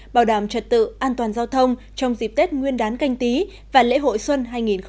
bảo đảm trật tự an toàn giao thông trong dịp tết nguyên đán canh tí và lễ hội xuân hai nghìn hai mươi